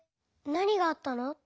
なにがあったの？